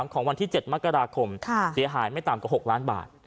ของวันที่๗มกราคมเสียหายไม่ต่ำกว่า๖ล้านบาท